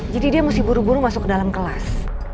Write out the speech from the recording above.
jadi dia mesti buru buru masuk ke dalam kelas